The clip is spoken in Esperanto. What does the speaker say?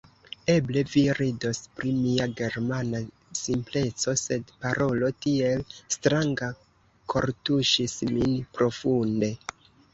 Eble vi ridos pri mia Germana simpleco; sed parolo tiel stranga kortuŝis min profunde.